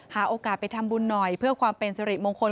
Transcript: โอกาสไปทำบุญหน่อยเพื่อความเป็นสิริมงคล